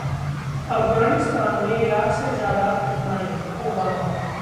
अफगानिस्तान में इराक से ज्यादा कठिनाई: ओबामा